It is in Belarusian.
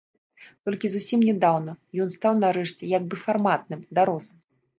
Толькі зусім нядаўна ён стаў нарэшце як бы фарматным, дарос.